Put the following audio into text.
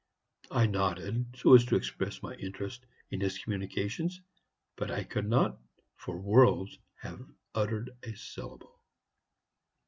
"I nodded so as to express my interest in his communications, but I could not for worlds have uttered a syllable.